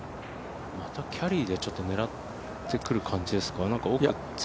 またキャリーでちょっと狙ってくる感じですか。